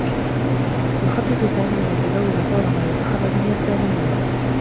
يخطّط سامي أن يتزوّج فور ما يتخرّج من الثّانويّة.